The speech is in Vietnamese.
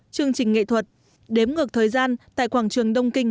chương trình nghệ thuật đếm ngược thời gian tại quảng trường đông kinh